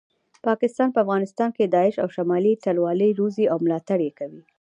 پاکستان په افغانستان کې داعش او شمالي ټلوالي روزي او ملاټړ یې کوي